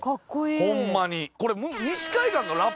ホンマに。